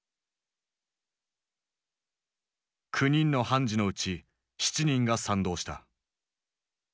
９人の判事のうち７人が賛同した。